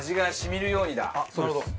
そうです。